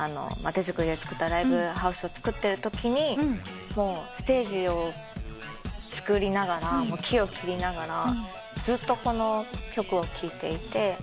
手づくりで造ったライブハウスを造ってるときにステージを造りながら木を切りながらずっとこの曲を聴いていて。